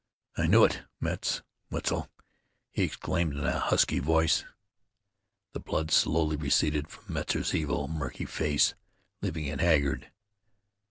"I knew it, Metz. Wetzel!" he exclaimed in a husky voice. The blood slowly receded from Metzar's evil, murky face, leaving it haggard.